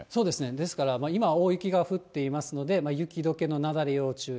ですから今、大雪が降っていますので、雪どけの雪崩、要注意。